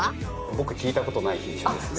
僕聞いた事ない品種ですね。